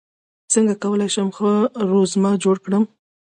څنګه کولی شم ښه رزومه جوړ کړم